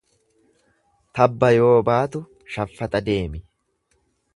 Tabba yoo baatu shaffaxa deemi.